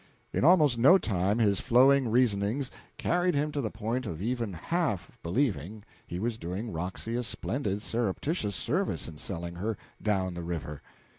In almost no time his flowing reasonings carried him to the point of even half believing he was doing Roxy a splendid surreptitious service in selling her "down the river."